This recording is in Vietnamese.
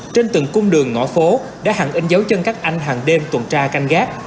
trên từng cung đường ngõ phố đã hẳn in dấu chân các anh hàng đêm tuần tra canh gác